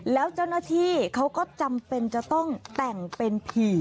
แล้วเจ้าหน้าที่เขาก็จำเป็นจะต้องแต่งเป็นผี